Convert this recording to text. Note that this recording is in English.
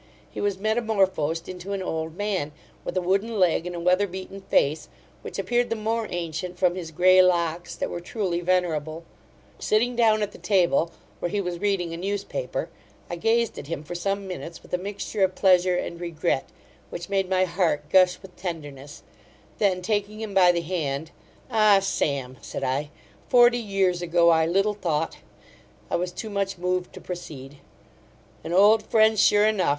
He was metamorphosed into an old man, with a wooden leg and a weatherbeaten face, which appeared the more ancient from his grey locks, that were truly venerable Sitting down at the table, where he was reading a news paper, I gazed at him for some minutes, with a mixture of pleasure and regret, which made my heart gush with tenderness; then, taking him by the hand, 'Ah, Sam (said I) forty years ago I little thought' I was too much moved to proceed. 'An old friend, sure enough!